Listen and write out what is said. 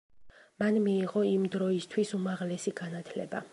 მან მიიღო იმდროისთვის უმაღლესი განათლება.